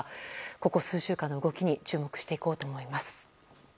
ここ数週間の動きに注目していこうと思います。